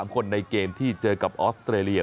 ๓คนในเกมที่เจอกับออสเตรเลีย